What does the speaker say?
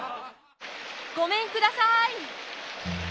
ごめんください。